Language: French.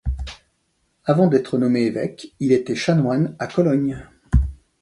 Avant d'être nommé évêque, il était chanoine à Cologne.